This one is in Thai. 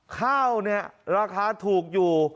ข้าวเนี่ยราคาถูกอยู่